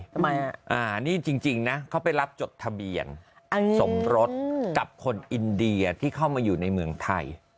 ทำไมนี่จริงนะเขาไปรับจดทะเบียนสมรสกับคนอินเดียที่เข้ามาอยู่ในเมืองไทย